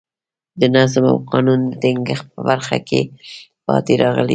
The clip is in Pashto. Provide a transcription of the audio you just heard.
د نظم او قانون د ټینګښت په برخه کې پاتې راغلي دي.